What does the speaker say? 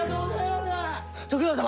徳川様！